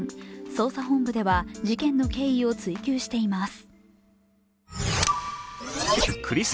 捜査本部では事件の経緯を追及しています。